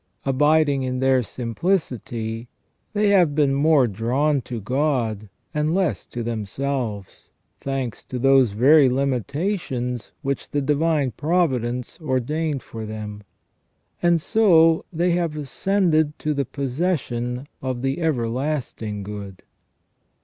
Abiding in their simplicity, they have been more drawn to God and less to themselves, thanks to those very limitations which the divine providence ordained for them, and so they have ascended to the possession of the ever lasting good.